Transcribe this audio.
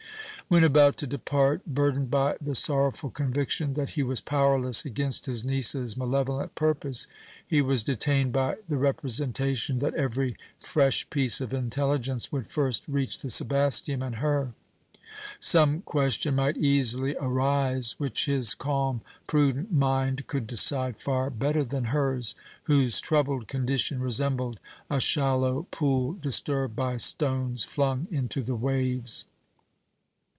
When about to depart, burdened by the sorrowful conviction that he was powerless against his niece's malevolent purpose, he was detained by the representation that every fresh piece of intelligence would first reach the Sebasteum and her. Some question might easily arise which his calm, prudent mind could decide far better than hers, whose troubled condition resembled a shallow pool disturbed by stones flung into the waves.